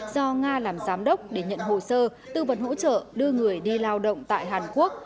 do nga làm giám đốc để nhận hồ sơ tư vấn hỗ trợ đưa người đi lao động tại hàn quốc